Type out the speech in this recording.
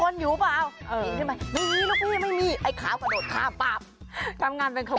นอนส่งเข้าข้างไปเลย